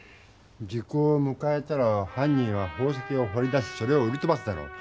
時効をむかえたらはん人は宝石をほり出しそれを売りとばすだろう。